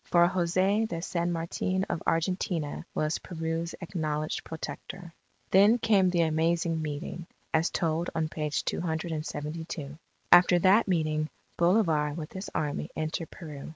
For Jose de San Martin of Argentina, was Peru's acknowledged Protector. Then came the Amazing Meeting, as told on page 272. After that meeting, Bolivar with his Army entered Peru.